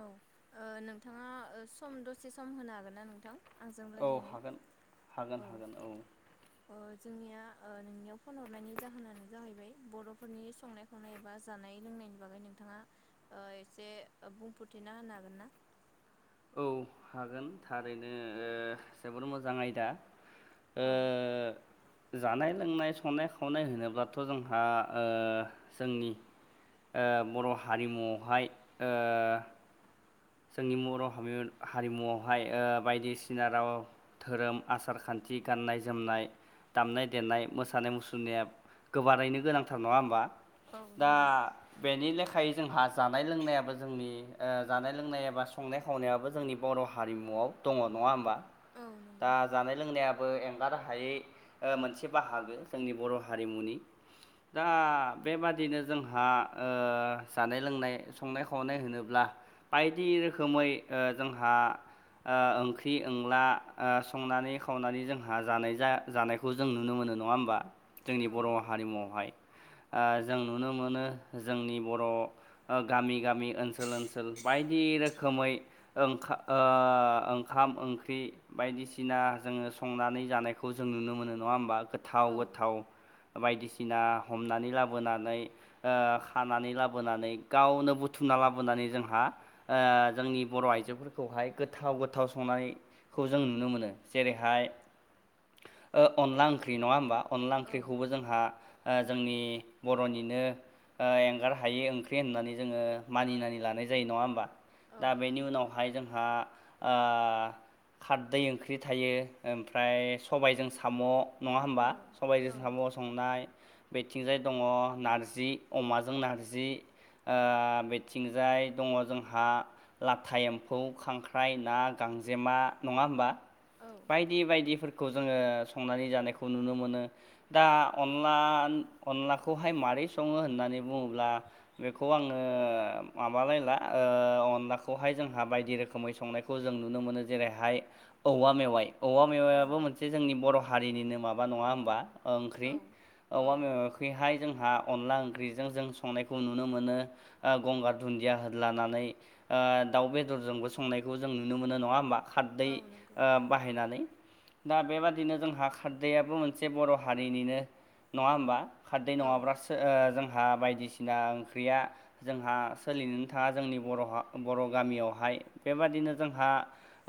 औ ओ नोंथाङा सम दसे सम होनो हागोन ना नोंथां। आंजों औ रायज्लायनो हागोन हागोन औ। हागोन ओ जोंनिया ओ नोंनियाव फन हरनायनि जाहोनानो जाहैबाय बर'फोरनि संनाय संनाय एबा जानाय लोंनायनि बागै नोंथाङा ओ एसे बुंफोरथिना होनो हागोन ना। औ हागोन थारैनो जोबोर मोजां आयदा। औ ओ जानाय लोंनाय संनाय खावनाय होनोब्लाथ' जोंहा ओ जोंनि बर' हारिमुआवहाय जोंनि बर' हारि-हारिमुआवहाय बायदिसिना राव धोरोम आसार खान्थि गाननाय जोमनाय दामनाय देनाय मोसानाय मुसुरनाय गोबारैनो गोनांथार नङा होमबा औ दा नंगौ बेनि लेखायै जोंहा जानाय लोंनायाबो जोंनि ओ जानाय लों जानाय लोंनाय एबा संनाय खावनायाबो जोंनि बर' हारिमुआव दङ नङा होमबा औ नंगौ दा जानाय लोंनायाबो एंगार हायै मोनसे बाहागो जोंनि बर' हारिमुनि दा बेबादिनो जोंहा जानाय लोंनाय संनाय खावनाय होनोब्ला बायदि रोखोमै ओ जोंहा ओ ओंख्रि [unintelligible] संनानै खावनानै जोंहा जानाय जानाय खौ जों नुनो मोनो नङा होमबा जोंनि औ बर' हारिमुआवहाय। ओ जों नुनो मोनो जोंनि बर' गामि गामि ओनसोल ओनसोल बायदि रोखोमै [unintelligible] ओं ओंखाम ओंख्रि बायदिसिना जोङो संनानै जानायखौ जों नुनो मोनो नङा होमबा गोथाव औ गोथाव। बायदिसिना हमनानै लाबोनानै ओ खानानै लाबोनानै गावनो बुथुमना लाबोनानै जोंहा ओ जोंनि बर' आइजोफोरखौहाय गोथाव गोथाव संनाय। खौ जों नुनो मोनो जेरैहाय ओ अनला ओंख्रि नङा होमबा अनला औ ओंख्रिखौबो जोंहा ओ जोंनि बर'निनो ओ एंगार हायि ओंख्रि होननानै जोङो मानिनानै लानाय जायो नङा होनबा औ दा बेनि उनावहाय जोंहा ओ खारदै ओंख्रि थायो ओमफ्राय सबायजों साम नङा औ होमबा सबाइजों औ साम संनाय बेथिंजाय दङ नारजि अमाजों नारजि ओ बेथिंजाय दङ जों हा लाथा एम्फौ खांख्राइ ना गांजेमा नङा होमबा औ बायदि बायदिफोरखौ जोङो संनानै जानायखौ नुनो मोनो दा अनला अनलाखौहाय मारोरै सङो होननानै बुङोब्ला बेखौ आङो माबालायला ओ अनलाखौहाय जोंहा बायदि रोखोमै संनायखौ जों नुनो मोनो जेरैहाय औवा मेवाइ औवा औ मेवायाबो मोनसे जोंनि बर‌ हारिनिनो माबा नङा होमबा ओंख्रि औ औ औवा मेवायखैहाय जोंहा अनला ओंख्रिजों जों संनायखौ नुनो मोनो ओ गंगार दुन्दिया हो लानानै ओ दाउ बेदरजोंबो संनायखौ जों नुनो मोनो नङा होमबा खारदै औ नंगौ ओ बाहायनानै दा बेबादिनो जोंहा खारदैयाबो मोनसे बर' हारिनिनो नङा होमबा खारदै औ नङाब्ला सो ओ जोंहा बायदिसिना ओंख्रिया जोंहा सोलिनो हा जोंनि बर बर गामियावहाय बेबादिनो जोंहा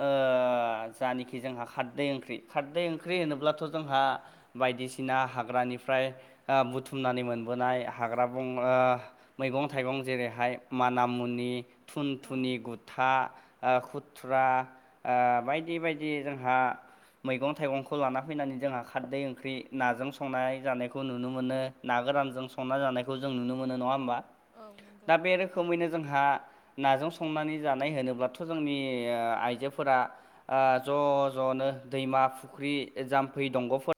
ओ जायानाखि जोंहा खारदै ओंख्रि खारदै ओंख्रि होनोब्लाथ' जोंहा बायदिसिना हाग्रानिफ्राय ओ बुथुमनानै मोनबोनाय हाग्रा बं मैगं थाइगं जेरैहाय माना मुनि थुन थुनि औ गुथा ओ खुथ्रा ओ बायदि बायदि जोंहा मैगं थाइगंखौ लाना फैनानै जोंहा खारदै ओंख्रि नाजों संनाय जानायखौ नुनो मोनो ना गोरानजों संना जानायखौ जों नुनो मोनो नङा होमबा औ नंगौ दा बे रोखोमैनो जोंहा नाजों संनानै जानाय होनोब्लाथ‌ जोंनि आइजोफोरा ओ ज ज नो दैमा फुख्रि जाम्फै दंगफोर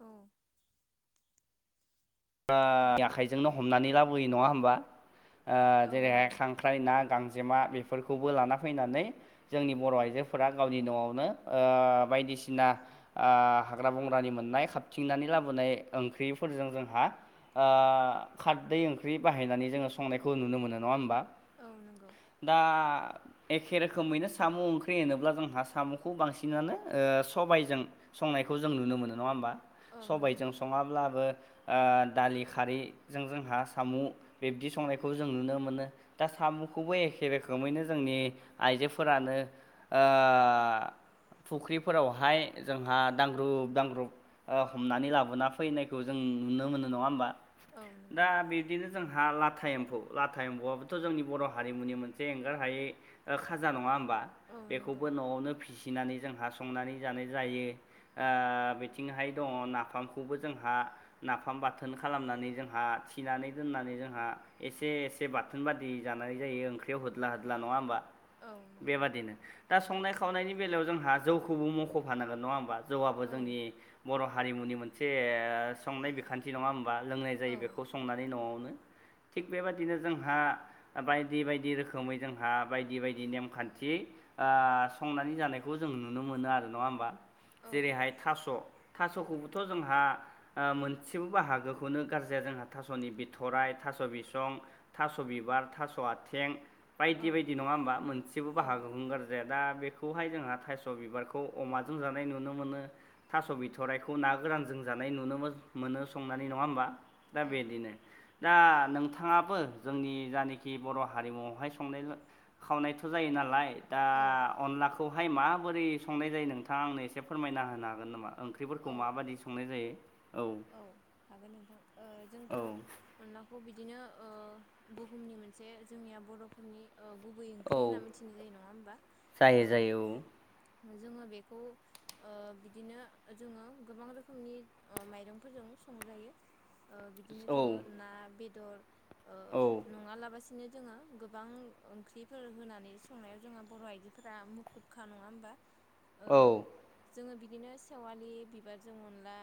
औ ओ औ आखाइजोंनो हमनानै लाबोयो नङा होमबा ओ औ जेरैहाय नंगौ खां ख्राय ना गांजेमा बेफोरखौबो लाना फैनानै जोंनि बर' आइजोफोरा गावनि नआवनो ओ बायदिसिना ओ हाग्रा बंग्रानि मोननाय खारथिंनानै लाबोनाय ओंख्रिफोरजों जोंहा ओ खारदै ओंख्रि बाहायनानै जोङो संनायखौ नुनो मोनो नङा होमबा। औ नंगौ दा एखे रोखोमैनो साम ओंख्रि होनोब्ला जोंहा साम खौ बांसिनानो ओ सबायजों संनायखौ जों नुनो मोनो नङा होमबा औ नंगौ सबाइजों सङाब्लाबो ओ दालि खारैजों जोंहा साम बिब्दि संनायखौ जों नुनो मोनो दा साम खौबो एखे रोखोमैनो जोंनि आइजोफोरानो ओ फुख्रिफोरावहाय जोंहा दांग्रुब दांग्रुब ओ हमनानै लाबोना फैनायखौ जों नुनो मोनो नङा होमबा औ दा नंगौ बिदिनो जोंहा लाथा एम्फौ लाथा एम्फौआबोथ जोंनि बर' हारिमुनि मोनसे एंगार हायै ओ खाजा नङा होमबा औ नंगौ बेखौबो नआवनो फिसिनानै जोंहा संनानै जानाय जायो ओ बिथिंहाय दङ नाफामखौबो जोंहा नाफाम बाथो थोन खालामनानै जोंहा थिनानै दोननानै जोंहा एसे एसे बाथोन बादि जानाय जायो ओंख्रियाव होदला होदला नङा होमबा औ नंगौ बेबादिनो दा संनाय खावनायनि बेलायाव जोंहा जौखौबो मख'फानांगोन नङा होमबा। औ जौआाबो औ जोंनि बर' हारिमुनि मोनसे ओ संनाय बिखान्थि। नङा होमबा लोंनाय जायो बेखौ संनानै न'आवनो थिग बेबादिनो जोंहा। बायदि बायदि रोखोमै जोंहा बायदि बायदि नेमखान्थि ओ संनानै जानायखौ जों नुनो मोनो आरो नङा होमबा। जेरैहाय थास' थास'खौबोथ' जोंहा ओ मोन सेबो बाहागोखौनो गारजाया जोंहा थास'नि बिथ'राइ थास' बिसं थास' बिबार थास' आथें बायदि बायदि नङा होमबा मोनसेबो औ बाहागोखौनो गार जाया दा बेखौहाय जोंहा थाइस' बिबारखौ अमाजों जानाय नुनो मोनो। थास' बिथ'राइखौ ना गोरान जों जानाय नुनो मोनो संनानै नङा होमबा दा औ बेदिनो। दा नोंथाङाबो जोंनि जानाखि बर' हारिमुआवहाय संनाय खावनायथ' जायो नालाय ओ अनलाखौहाय माबोरै संनाय जायो नोंथाङा आंनो एसे फोरमायना होनो हागोन नामा? ओंख्रिफोरखौ माबायदि संनाय जायो। औ हागोन नोंथां ओ जोंथ' औ अनलाखौ बिदिनो ओ बुहुमनि मोनसे जोंनिया बर'फोरनि ओ गुबै ओंख्रि औ होनना मिथिनाय जायो नङा होमबा। जायो जायो ओ जोङो बेखौ ओ बिदिनो जोङो गोबां रोखोमनि ओ माइ रंफोरजोंबो संजायो ओ बिदिनो औ जोङो ना, बेदर ओ औ नङालाबासिनो जोङो गोबां ओंख्रिफोर होनानै संनायाव जोंहा बर' आइजोफोरा मुखुबखा नङा होमबा। [unintelligible] औ जोङो बिदिनो सेवालि बिबारजों अनला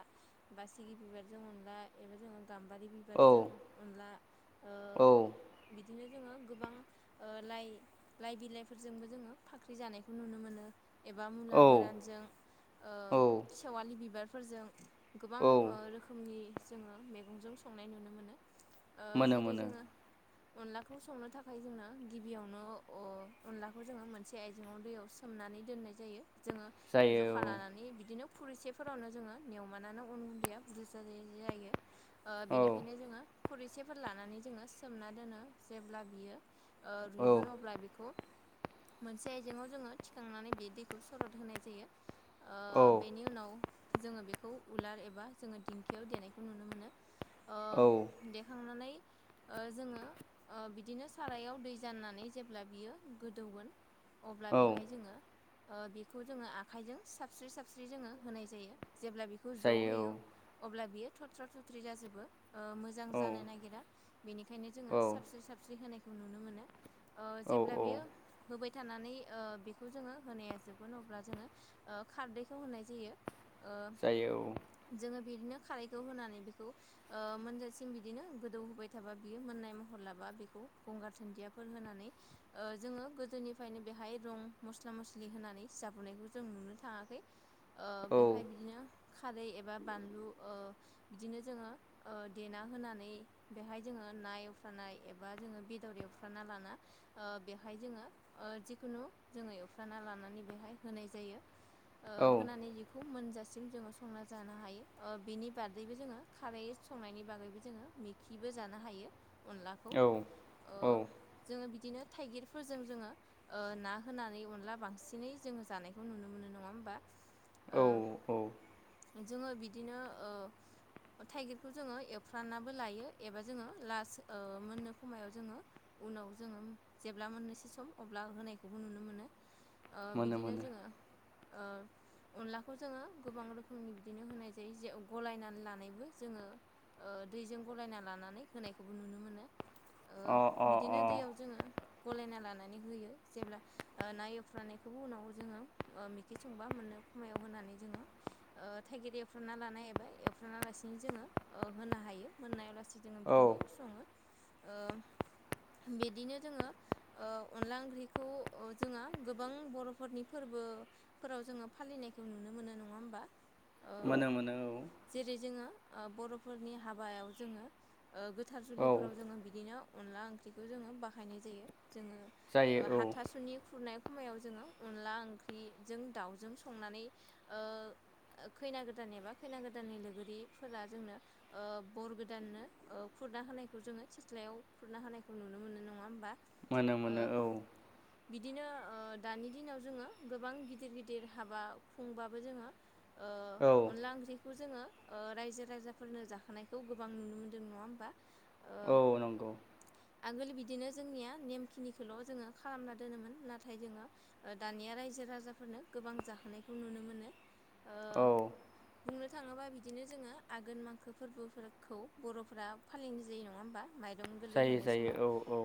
बासिगि बिबारजों अनला एबा जोङो गाम्बारि बि औ बारजों अनला ओ औ बिदिनो जोङो गोबां ओ लाइ लाइ बिलाइफोरजोंबो जोङो फाख्रि जानायखौ नुनो मोनो। एबा मुला औ गोरानजों ओ औ सेवालि बिबारफोरजों। गोबां ओ औ रोखोमनि जोङो मेगंजों संनाय नुनो मोनो। ओ मोनो जेरै मोनो जोङो अनलाखौ संनो थाखाय जोनो गिबियावनो अ-अनलाखौ जोङो मोनसे आयजेंआव दैयाव सो सोमनानै दोननाय जायो जोङो जखा जायो लानानै बिदिनो फुरिसेफोरावनो जोङो नेवमानानै। उन उन्दैया बुरजा जाय जायो ओ औ बेनिखायनो जोङो खुरैसेफोर लानानै जोङो सोमना दोनो जेब्ला बियो ओ औ रुइगोन अब्ला बेखौ मोनसे आयजेङाव जोङो थिखांनानै बे दैखौ सरद होनाय जायो। ओ औ बेनि उनाव जोङो बेखौ उलार एबा जोङो दिंखियाव देनायखौ नुनो मोनो औ ओ देखांनानै। ओ जोङो ओ बिदिनो सारायाव दै जाननानै जेब्ला बियो गोदौगोन। अब्ला औ बेहाय जोङो। ओ बेखौ जोङो आखाइजों साबस्रि साबस्रि जोङो होनाय जायो जेब्ला बेखौ ज' जायो होयो। अब्ला बियो थथ्रा थथ्रि जाजोबो ओ मो जां औ जानो नागिरा बेनिखायनो जोङो औ साबस्रि साबस्रि होनायखौ नुनो मोनो। ओ औ जेब्ला बियो होबाय थानानै ओ बेखौ जोङो होनाया जोबगोन अब्ला जोङो। ओ खारदैखौ होनाय जायो ओ बेउ जोङो बिदिनो खारैखौ होनानै बेखौ ओ मोनजासिम बिदिनो गोदौ होबाय थाबा बियो मोननाय महर लाबा बेखौ गंगार थुनदियाफोर होनानै। ओ जोङो गोदोनिफ्रायनो बेहाय रं मस्ला मस्लि होनानै जाबोनायखौ जों नुनो थाङाखै। औ बेहाय बिदिनो खारै एबा बानलु बिदिनो जोङो देना होनानै बेहाय जोङो ना एवफ्रानाय एबा जोङो बेदर एवफ्राना लाना बेहाय जोङो जिखुनु जोङो एवफ्र्राना लानानै बेहाय होनाय जायो। औ होनानै जिखौ मोनजासिम जोङो संना जानो हायो बेनि बादैबो जोङो खारै संनायनि बागैबो जोङो मेखिबो जानो हायो अनलाखौ औ औ जोङो बिदिनो थाइगिरफोरजों जोङो ना होनानै अनला बांसिनै जोङो जानायखौ नुनो मोनो नङा होमबा ओ औ औ जोङो बिदिनो थाइगिरखौ जोङो एवफ्रानाबो लायो एबा जोङो लास मोननो खमायाव जोङो उनाव जोङो जेब्ला मोननोसै सम अब्ला होनायखौबो नुनो मोनो मोनो बिदिनो मोनो जोङो अनलाखौ जोङो गोबां रोखोम रोखोमनि बिदिनो होनाय जायो जे गलायनानै लानायबो जोङो दैजों गलायना लानानै होनायखौबो नुनो मोनो अ अ बिदिनो अ दैयाव जोङो गलायना लानानै होयो जेब्ला नाय एफ्रानायखौबो उनाव जोङो मेखि संबा मोननो खमायाव होनानै जोङो थाइगिर एवफ्रामना लानाय एबा एवफ्राना लासिनो जोङो होनो हायो मोननाया लासेनो जोङो औ बिदिनो सङो बिदिनो जोङो अनला ओंख्रिखौ जोङो गोबां बर'फोरनि फोरबो फोराव जोङो फालिनायखौ नुनो मोनो नङा होमबा ओ मोनो मोनो औ जेरै जोङो बर'फोरनि हाबायाव जोङो गोथार औ जुलिफोराव जोङो बिदिनो अनला ओंख्रिखौ जोङो बाहायनाय जायो जायो जोङो औ हाथासुनि खुरनाय समायाव जोङो अनला ओंख्रिजों दाउजों संनानै खैना गोदान एबा खैना गोदाननि लोगोरिफोरा जोंनो बर गोदाननो खुरना होनायखौ जोङो सिथ्लायाव खुरना होनायखौ नुनो मोनो नङा होमबा मोनो मोनो ओ औ बिदिनो दानि दिनाव जोङो गोबां गिदिर गिदिर हाबा खुंबाबो जोङो औ अनला ओंख्रिखौ जोङो रायजो राजाफोरनो जाखोनायखौ गोबां नुनो मोनदों नङा होमबा ओ औ नंगौ आगोल बिदिनो जोंनिया नेमखिनिखौल' जोङो खालामना दोनोमोन नाथाय जोङो दानिया रायजो राजाफोरनो गोबां जाहोनायखौ नुनो मोनो औ बुंनो थाङोबा बिदिनो जोङो आघोन मांखो फोरबोफोरखौ बरफोरा फालिनाय जायो नङा होमबा। माइरं गोरलै जायो होनाय जायो समाव औ औ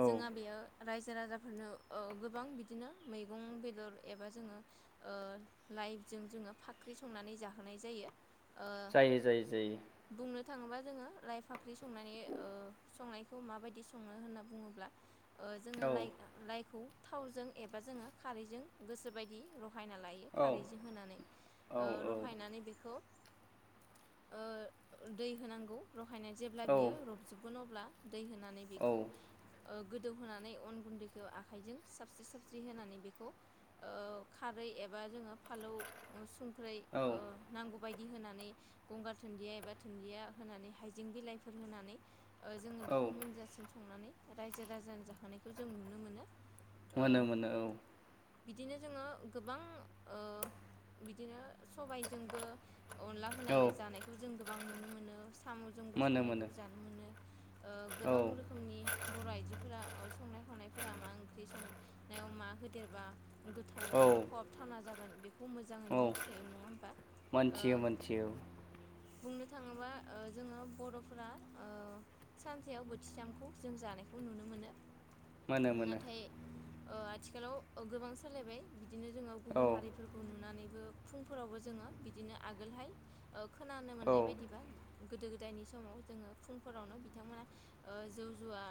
औ जोंहा बेयो। रायजो राजाफोरनो ओ-गोबां बिदिनो मैगं बेदर एबा जोङो। ओ-लाइभजों जोङो फाख्रि संनानै जाहोनाय जायो। जायो जायो जायो बुंनो थाङोबा जोङो लायफाख्रि संनानै ओ-संनायखौ माबायदि सङो होनना बुङोब्ला। ओ-जोङो औ लाइ लाइखौ थावजों एबा जोङो खारैजों गोसोबायदि रहायना लायो। औ खारैजों होनानै औ औ रुहायनानै बेखौ दै होनांगौ रहायनाय जेब्ला औ बियो रबजोबगोन अब्ला दै होनानै औ बेखौ गोदौहोनानै अन गुन्दैखौ आखाइजों साबस्रि साबस्रि होनानै बेखौ खारै एबा जोङो फालौ संख्रै औ नांगौ बायदि होनानै गंगार दुन्दिया एबा दुन्दिया होनानै हाइजें बिलाइफोर होनानै जोङो औ बेखौ मोनजासिम संनानै रायजो राजानि जाहोनायखौ जों नुनो मोनो मोनो मोनो बिदिनो जोङो गोबां बिदिनो सबायजोंबो अनला होनाय औ औ जानायखौ जों गोबां नुनो मोनो सामजोंबो मोनो संनायखौ मोनो जानो मोनो औ ओ-गोबां रोखोमनि। बर आइजोफोरा ओ-संनाय खावनायफोरा मा ओंख्रि संनायाव मा होदेरबा। गोथाव औ एबा खहाब थाना जागोन बेखौ मोज मोजाङैनो औ मिथिखायो नङा होमबा ओ मोनथियो मोनथियो बुंनो थाङोबा ओ-जोङो बरफोरा ओ सानसेयाव बोथिथामखौ जों जानायखौ नुनो मोनो। मोनो मोनो नाथाय ओ-आथिखालाव गोबां सालायबाय बिदिनो जोङो औ गुबुन हारिफोर खौ नुनानैबो फुंफोरावबो जोङो बिदिनो आगोलहाय। ओ-खोनानो मोननाय बायदिबा गोदो गोदायनि समाव जोङो फुंफोरावनो बिथांमोना। ओ-जौ जुवा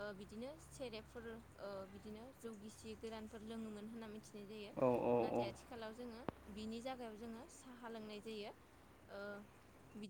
ओ-बिदिनो सेरेबफोर ओ-बिदिनो जौ गिसि गोरानफोर लोङोमोन होनना मिथि नाय जायो औ औ औ नाथाय आथिखालाव जोङो। बिनि जागायाव जोङो साहा लोंनाय जायो ओ बिदि